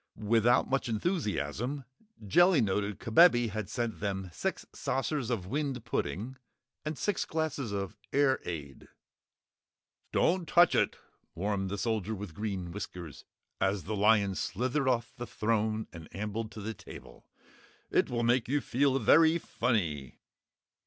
Without much enthusiasm, Jellia noted Kabebe had sent them six saucers of wind pudding and six glasses of air ade. "Don't touch it!" warned the Soldier with Green Whiskers, as the lion slithered off the throne and ambled to the table. "It will make you feel very funny."